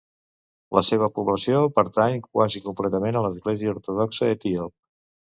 La seva població pertany quasi completament a l'Església ortodoxa etíop.